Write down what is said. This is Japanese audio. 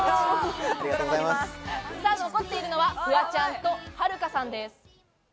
残っているのはフワちゃんと、はるかさんです。